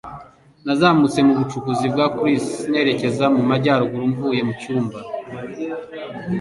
Nazamutse mu bucukuzi bwa Chris, nerekeza mu majyaruguru mvuye mu cyumba.